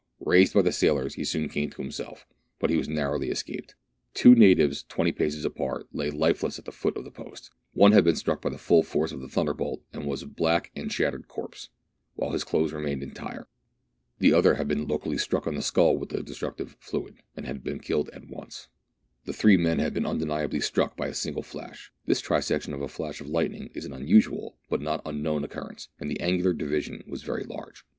Raised by the sailors, he soon came to himself ; but he had nar rowly escaped. Two natives, twenty paces apart, lay life less at the foot of the post. One had been struck by the full force of the thunderbolt, and was a black and shattered corpse, while his clothes remained entire ; the other had Emery and two Natives struck by Lightning. — [Page 158.] THREE ENGLISHMEN AND THREE RUSSIANS. 159 been locally struck on the skull by the destructive fluid, and had been killed at once. The three men had been undeniably struck by a single flash. This trisection of a flash of lightning is an unusual but not unknown occur rence, and the angular division was very large.